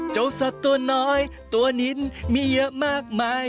สัตว์ตัวน้อยตัวนิดมีเยอะมากมาย